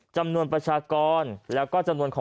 จำนวนประชากรและจำนวน